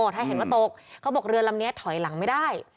ถ้าเห็นว่าตกเขาบอกเรือลำนี้ถอยหลังไม่ได้